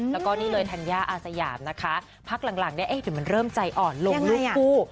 แล้วก็นี่เลยธัญญาอาสยามนะคะพักหลังเนี่ยเอ๊ะเดี๋ยวมันเริ่มใจอ่อนลงรูปคู่